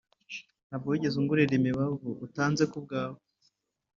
nta bwo wigeze ungurira imibavu utanze ku byawe,